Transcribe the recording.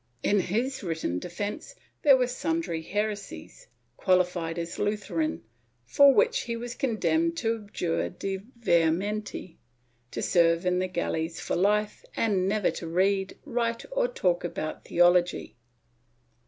In his written defence there were sundry heresies, qualified as Lutheran, for which he was condemned to abjure de vehementi, to serve in the galleys for life and never to read, write or talk about theology.'